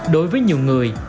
đối với nhiều người